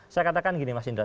saya katakan gini mas indra